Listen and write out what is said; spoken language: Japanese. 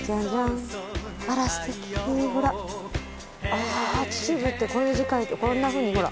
ああ「秩父」ってこういう字書いてこんなふうにほら。